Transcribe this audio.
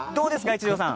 一條さん。